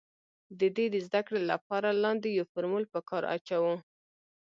د دې د زده کړې له پاره لاندې يو فورمول په کار اچوو